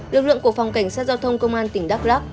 lực lượng của phòng cảnh sát giao thông công an tỉnh đắk lắc